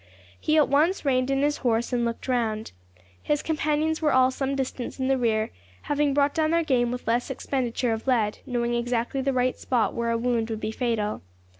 He at once reined in his horse and looked round. His companions were all some distance in the rear, having brought down their game with less expenditure of lead, knowing exactly the right spot where a wound would be fatal.